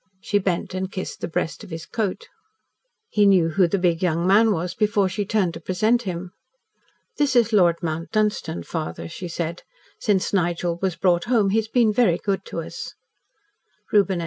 she bent and kissed the breast of his coat. He knew who the big young man was before she turned to present him. "This is Lord Mount Dunstan, father," she said. "Since Nigel was brought home, he has been very good to us." Reuben S.